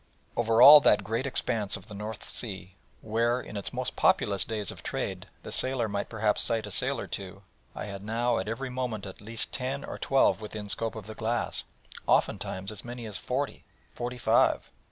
Over all that great expanse of the North Sea, where, in its most populous days of trade, the sailor might perhaps sight a sail or two, I had now at every moment at least ten or twelve within scope of the glass, oftentimes as many as forty, forty five.